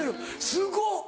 すごっ！